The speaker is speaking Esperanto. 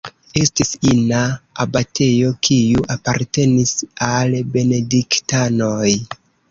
Estis ina abatejo, kiu apartenis al benediktanoj.